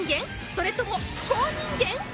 それとも不幸人間？